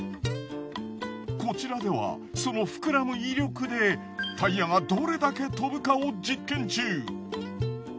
こちらではその膨らむ威力でタイヤがどれだけ飛ぶかを実験中。